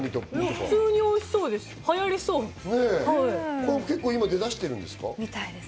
普通においしそうです。